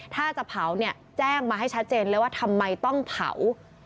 ถ้าจะเผาเนี่ยแจ้งมาให้ชัดเจนเลยว่าทำไมต้องเผา